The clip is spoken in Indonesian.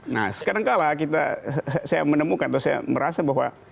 nah sekadangkala kita saya menemukan atau saya merasa bahwa